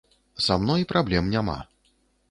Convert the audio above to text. Са мной праблем няма.